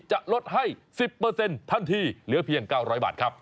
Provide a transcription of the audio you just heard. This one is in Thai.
จะลดให้๑๐ทันทีเหลือเพียง๙๐๐บาทครับ